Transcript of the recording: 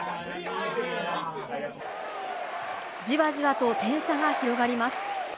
じわじわと点差が広がります。